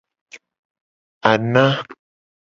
Ana.